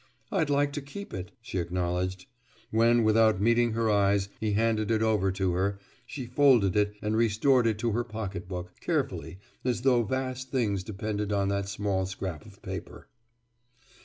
"I'd like to keep it," she acknowledged. When, without meeting her eyes, he handed it over to her, she folded it and restored it to her pocket book, carefully, as though vast things depended on that small scrap of paper.